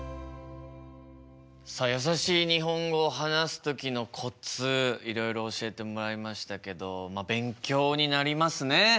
さあやさしい日本語を話す時のコツいろいろ教えてもらいましたけど勉強になりますね。